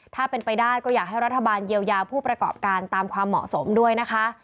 ถ้าเป็นไปได้ก็อยากให้รัฐบาลเยียวยาผู้ประกอบการตามความเหมาะสมด้วยนะคะ